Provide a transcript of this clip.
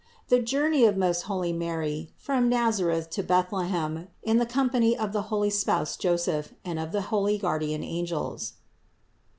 THE JOURNEY OF MOST HOLY MARY FROM NAZARETH TO BETHLEHEM IN THE COMPANY OF THE HOLY SPOUSE JOSEPH AND OF THE HOLY GUARDIAN ANGELS.